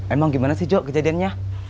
emang gimana sih jok kejadiannya